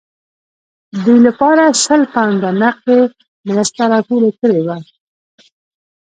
دوی لپاره شل پونډه نغدي مرسته راټوله کړې وه.